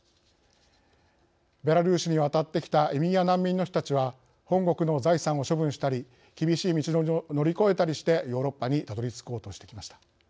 ベラルーシに渡ってきた移民や難民の人たちは本国の財産を処分したり厳しい道のりを乗り越えたりしてヨーロッパにたどりつこうとしてきました。